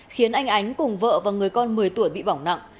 khiến anh ánh cùng vợ và người con một mươi tuổi bị bỏng nặng